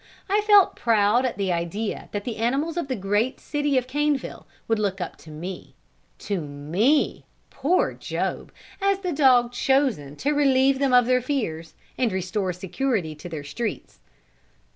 I felt proud at the idea that the animals of the great city of Caneville would look up to me, to me, poor Job, as the dog chosen to releive them of their fears, and restore security to their streets.